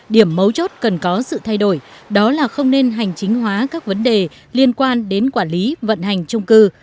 điểm mấu chốt cần có sự thay đổi đó là không nên hành chính hóa các vấn đề liên quan đến quản lý vận hành trung cư